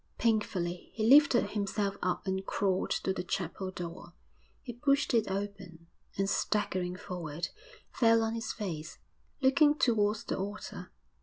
Painfully he lifted himself up and crawled to the chapel door; he pushed it open, and, staggering forward, fell on his face, looking towards the altar.